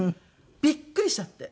びっくりしちゃって。